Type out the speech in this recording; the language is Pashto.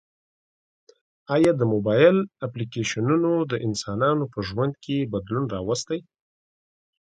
ایا د موبایل اپلیکیشنونه د انسانانو په ژوند کې بدلون راوستی؟